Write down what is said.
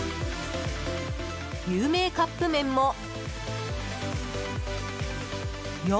有名カップ麺も４７円！